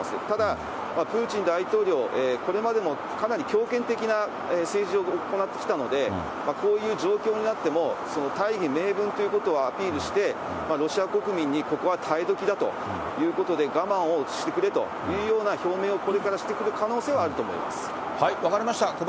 ただ、プーチン大統領、これまでもかなり強権的な政治を行ってきたので、こういう状況になっても、大義名分ということをアピールして、ロシア国民にここは耐え時だということで、我慢をしてくれというような表明をこれからしてくる可能性はある分かりました。